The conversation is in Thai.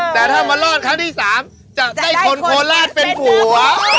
แต่ถ้ามารอดครั้งที่๓จะได้คนโคราชเป็นผัว